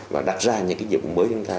và đặt ra những cái nhiệm vụ mới cho chúng ta